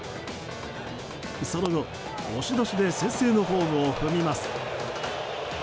その後、押し出しで先制のホームを踏みます。